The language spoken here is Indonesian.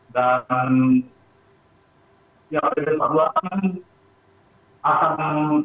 dan ya pemerintah perjalanan akan